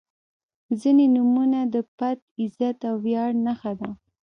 • ځینې نومونه د پت، عزت او ویاړ نښه ده.